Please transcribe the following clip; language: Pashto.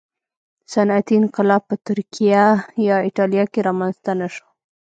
صنعتي انقلاب په ترکیه یا اېټالیا کې رامنځته نه شو